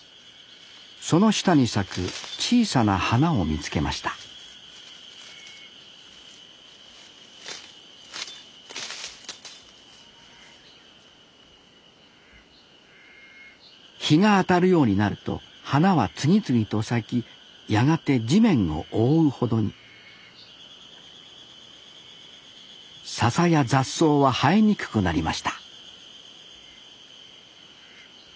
その下に咲く小さな花を見つけました日が当たるようになると花は次々と咲きやがて地面を覆うほどにササや雑草は生えにくくなりました